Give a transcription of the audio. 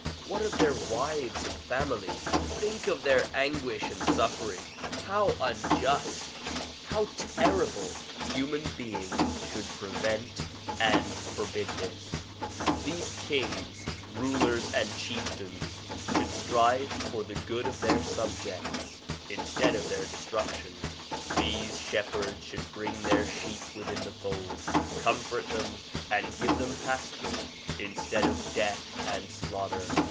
What of their wives and families? Think of their anguish and suffering. How unjust, how terrible! Human beings should prevent and forbid this. These kings, rulers and chieftans should DISCOURSES DELIVERED IN CHICAGO 81 strive for the good of their subjects instead of their destruction. These shepherds should bring their sheep within the fold, comfort them and give them pasture instead of death and slaughter.